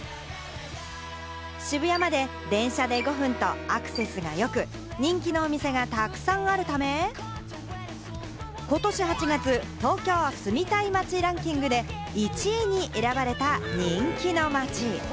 渋谷まで電車で５分とアクセスがよく、人気のお店がたくさんあるため、ことし８月、東京・住みたい街ランキングで１位に選ばれた人気の街。